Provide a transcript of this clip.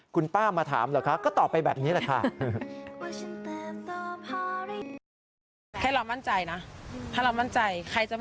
คุณป้ามาถามเหรอคะก็ตอบไปแบบนี้แหละค่ะ